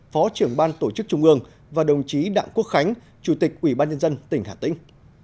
phó trưởng ban tổ chức trung ương và đồng chí đặng quốc khánh chủ tịch ủy ban nhân dân tỉnh hà tĩnh